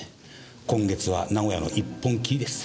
今月は名古屋の１本きりです。